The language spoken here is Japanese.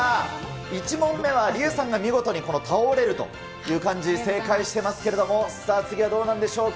１問目は理恵さんが見事にこの倒という漢字、正解してますけれども、さあ、次はどうなんでしょうか。